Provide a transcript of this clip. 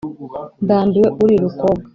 ndambiwe uri rukobwa